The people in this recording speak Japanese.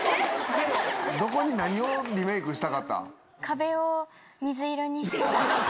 どこに何をリメイクしたかった？